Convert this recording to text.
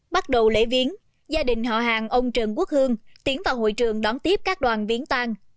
bắt đầu lễ viến gia đình họ hàng ông trần quốc hương tiến vào hội trường đón tiếp các đoàn viến tan